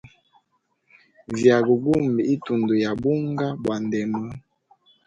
Vyaga gumbe itundu ya bunga bwa ndema.